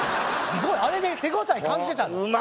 すごいあれで手応え感じてたんだ。